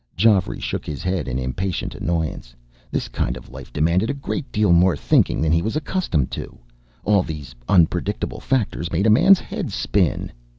Geoffrey shook his head in impatient annoyance. This kind of life demanded a great deal more thinking than he was accustomed to. All these unpredictable factors made a man's head spin.